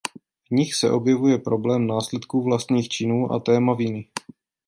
V nich se objevuje problém následků vlastních činů a téma viny.